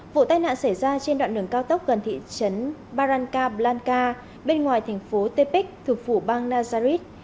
vụ tai nạn xảy ra trên đoạn đường cao tốc gần thị trấn barranca blanca bên ngoài thành phố tepic thủ phủ bang nazareth